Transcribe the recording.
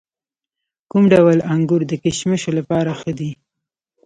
کوم ډول انګور د کشمشو لپاره ښه دي؟